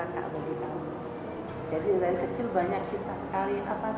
kalau di keluarga ya